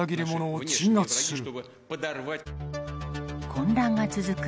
混乱が続く